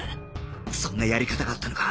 そんなやり方があったのか